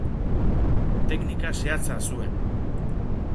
Teknika zehatza zuen.